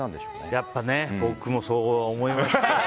やっぱね僕もそれは思いましたよ。